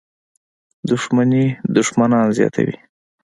• دښمني دښمنان زیاتوي.